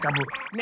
ね。